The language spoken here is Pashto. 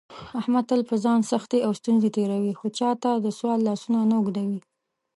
احمد تل په ځان سختې او ستونزې تېروي، خو چاته دسوال لاسونه نه اوږدوي.